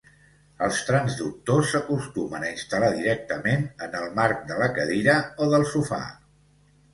Els transductors s'acostumen a instal·lar directament en el marc de la cadira o del sofà.